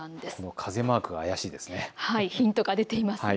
風マークが怪しいですね。